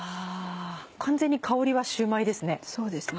完全に香りはシューマイですね。